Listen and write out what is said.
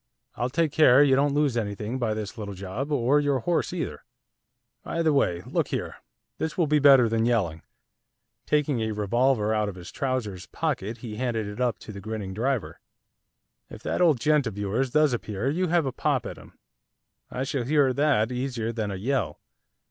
I'll take care you don't lose anything by this little job, or your horse either. By the way, look here, this will be better than yelling.' Taking a revolver out of his trousers' pocket he handed it up to the grinning driver. 'If that old gent of yours does appear, you have a pop at him, I shall hear that easier than a yell.